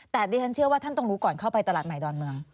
แต่ดิฉันเชื่อว่าท่านต้องรู้ก่อนเข้าไปตลาดใหม่ดอนเมือง